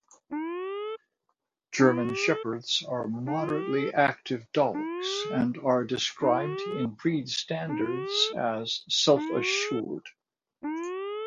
German Shepherds are moderately active dogs and are described in breed standards as self-assured.